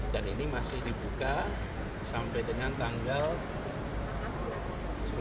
dan ini masih dibuka sampai dengan tanggal sebelas